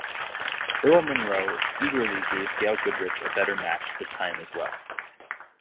Earl Monroe eagerly gave Gail Goodrich a better match this time as well.